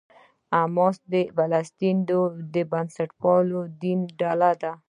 حماس یوه فلسطیني بنسټپاله دیني ډله ده.